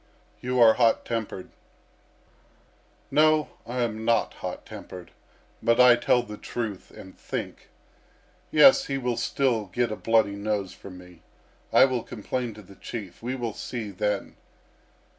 "You are hot tempered." "No, I am not hot tempered, but I tell the truth and think. Yes, he will still get a bloody nose from me. I will complain to the Chief. We will see then!"